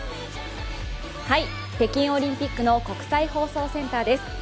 北京オリンピックの国際放送センターです。